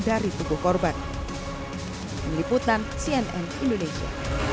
dari tubuh korban meliputan cnn indonesia